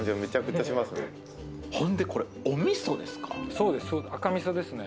そうです。